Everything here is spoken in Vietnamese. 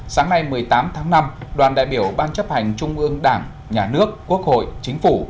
sáng nay một mươi tám tháng năm đoàn đại biểu ban chấp hành trung ương đảng nhà nước quốc hội chính phủ